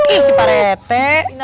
ih si parete